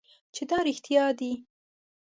چې دا رښتیا دي .